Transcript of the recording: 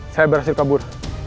saya berhasil kabur